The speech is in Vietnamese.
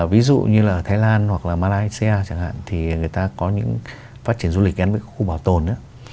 ví dụ như là thái lan hoặc là malaysia chẳng hạn thì người ta có những phát triển du lịch gắn với khu bảo tồn nữa